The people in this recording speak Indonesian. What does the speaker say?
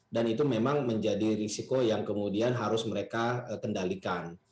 dan itu memang menjadi risiko yang kemudian harus mereka kendalikan